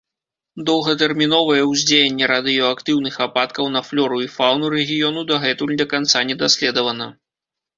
Доўгатэрміновае ўздзеянне радыеактыўных ападкаў на флёру і фаўну рэгіёну дагэтуль да канца не даследавана.